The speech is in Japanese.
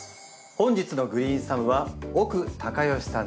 本日のグリーンサムは奥隆善さんです。